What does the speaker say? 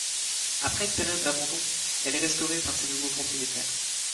Après une période d'abandon, elle est restaurée par ses nouveaux propriétaires.